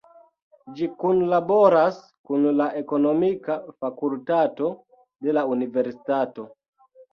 Ĝi kunlaboras kun la ekonomika fakultato de la universitato.